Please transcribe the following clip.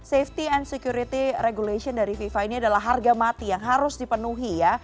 safety and security regulation dari fifa ini adalah harga mati yang harus dipenuhi ya